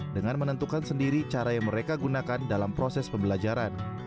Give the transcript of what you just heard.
dengan menentukan sendiri cara yang mereka gunakan dalam proses pembelajaran